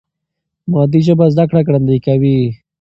مادي ژبه زده کړه ګړندۍ کوي.